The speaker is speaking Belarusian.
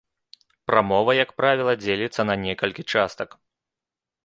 Прамова, як правіла, дзеліцца на некалькі частак.